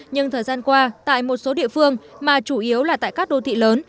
nhưng thời gian qua tại một số địa phương mà chủ yếu là tại các đô thị lớn